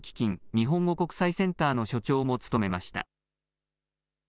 日本語国際センターの所長も務めました。